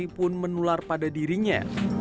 dia juga menular pada dirinya